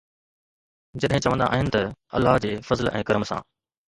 جڏهن چوندا آهن ته ’الله جي فضل ۽ ڪرم سان‘.